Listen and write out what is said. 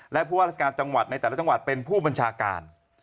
และผู้ว่าราชการจังหวัดในแต่ละจังหวัดเป็นผู้บัญชาการ